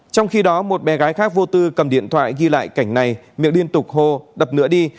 trong khi đó một bé gái khác vô tư cầm điện thoại ghi lại cảnh này miệng liên tục hô đập nữa đi